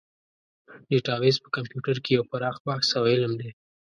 ډیټابیس په کمپیوټر کې یو پراخ بحث او علم دی.